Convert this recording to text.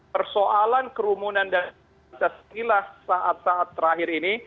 persoalan kerumunan dan pancasila saat saat terakhir ini